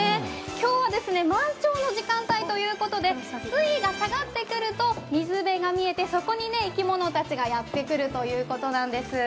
今日は満潮の時間ということで水位が下がってくると水辺が見えてそこに生き物たちがやってくるということなんです。